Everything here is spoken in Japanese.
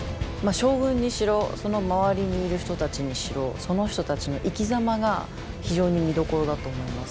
将軍にしろその周りにいる人たちにしろその人たちの生きざまが非常に見どころだと思います。